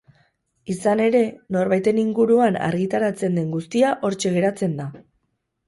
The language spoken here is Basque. Izan ere, norbaiten inguruan argitaratzen den guztia hortxe geratzen da.